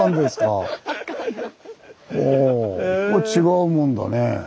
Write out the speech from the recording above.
お違うもんだね。